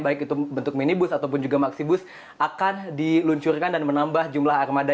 baik itu bentuk minibus ataupun juga maksibus akan diluncurkan dan menambah jumlah armada